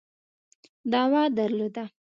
دعوه درلوده.